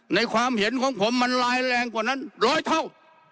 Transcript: ในความเห็นของผมมันลายแรงกว่านั้นร้อยเท่า